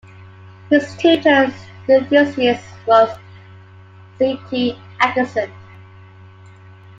His tutor during these years was C. T. Atkinson.